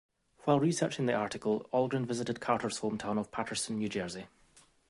While researching the article, Algren visited Carter's hometown of Paterson, New Jersey.